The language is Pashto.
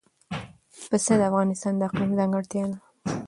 پسه د افغانستان د اقلیم ځانګړتیا ده.